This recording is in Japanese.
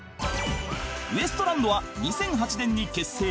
ウエストランドは２００８年に結成